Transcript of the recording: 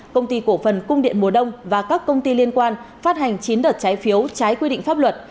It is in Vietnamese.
công ty cổ phần cung điện mùa đông và các công ty liên quan phát hành chín đợt trái phiếu trái quy định pháp luật